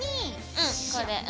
うんこれ。